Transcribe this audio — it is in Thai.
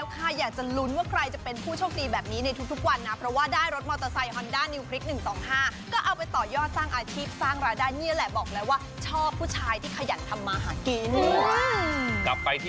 กลับไปที่ผู้ชายในฝัน